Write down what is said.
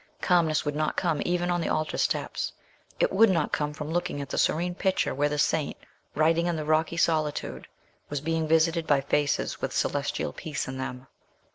Calmness would not come even on the altar steps; it would not come from looking at the serene picture where the saint, writing in the rocky solitude, was being visited by faces with celestial peace in them.